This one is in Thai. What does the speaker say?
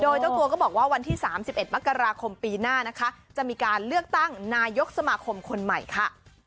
โดยเจ้าตัวก็บอกว่าวันที่๓๑มกราคมปีหน้านะคะจะมีการเลือกตั้งนายกสมาคมคนใหม่ค่ะ